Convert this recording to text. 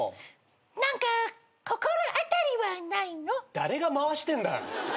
誰が回してんだ。